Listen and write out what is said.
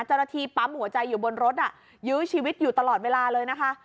เจ้าหน้าที่ปั๊มหัวใจอยู่บนรถยื้อชีวิตอยู่ตลอดเวลาเลยนะคะ